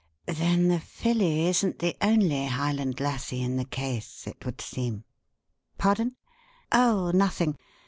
Then the filly isn't the only 'Highland Lassie' in the case, it would seem. Pardon? Oh, nothing.